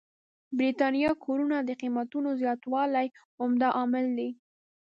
برېتانيا کورونو قېمتونو زياتوالی عمده عامل دی.